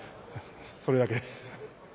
それだけです。